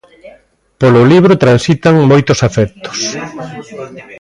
Polo libro transitan moitos afectos.